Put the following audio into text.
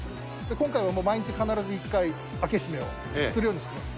今回はもう、毎日必ず１回、開け閉めをするようにしてます。